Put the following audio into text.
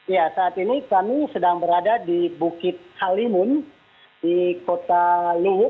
ya saat ini kami sedang berada di bukit halimun di kota luwu